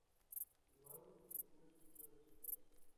Sin embargo, su propuesta fue rechazada.